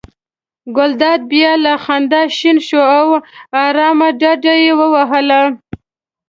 ګلداد بیا له خندا شین شو او آرامه ډډه یې ووهله.